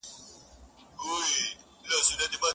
په جونګړو به شور ګډ د پښتونخوا سي!!